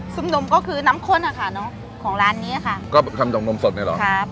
ซุปนมก็คือน้ำข้นอะค่ะเนอะของร้านนี้อะค่ะก็คำจำนมสดเลยเหรอครับ